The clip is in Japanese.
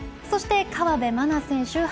そして、河辺愛菜選手